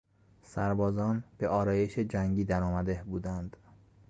سربازان به آرایش جنگی درآمده بودند.